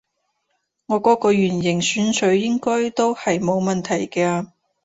我嗰個圓形選取應該都係冇問題嘅啊